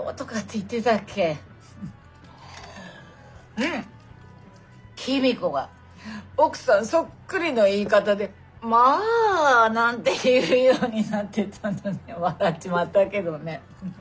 うん公子が奥さんそっくりの言い方で「まああ」なんて言うようになってたのには笑っちまったけどね。